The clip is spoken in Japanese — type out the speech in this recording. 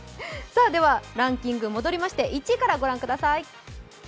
ではランキングに戻りまして１位からご覧ください。